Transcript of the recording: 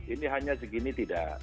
ini hanya segini tidak